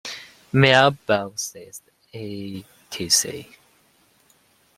Mail Boxes Etc.